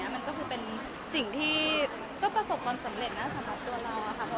มันก็เป็นสิ่งที่ประสบความสำเร็จสำหรับตัวเรา